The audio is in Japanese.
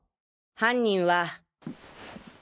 犯人は。